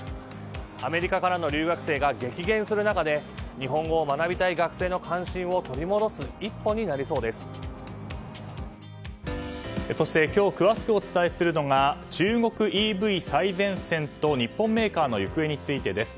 アメリカからの留学生が激減する中で日本語を学びたい学生の関心を取り戻すそして今日詳しくお伝えするのが中国ＥＶ最前線と日本メーカーの行方についてです。